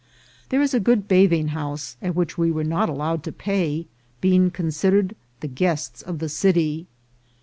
There is a good bathing house, at which we were not allowed to pay, being considered the guests of the city.